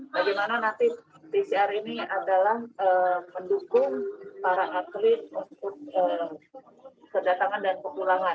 bagaimana nanti pcr ini adalah mendukung para atlet untuk kedatangan dan kepulangan